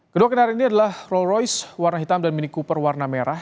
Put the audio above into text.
kedua kendaraan ini adalah roll royce warna hitam dan mini cooper warna merah